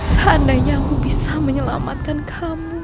seandainya aku bisa menyelamatkan kamu